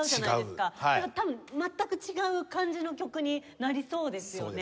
だから多分全く違う感じの曲になりそうですよね。